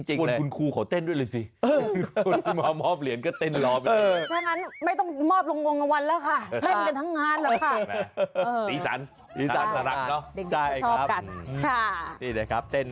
ต้องเต้นดีจริงเลย